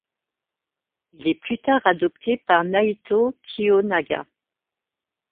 Il est plus tard adopté par Naitō Kiyonaga.